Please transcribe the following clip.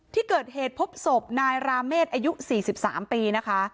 ที่เกิดเหตุพบศพนายราเมษอายุ๔๓ปีนะคะ